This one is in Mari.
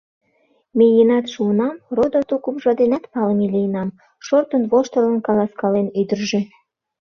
— Миенат шуынам, родо-тукымжо денат палыме лийынам, — шортын-воштылын каласкален ӱдыржӧ.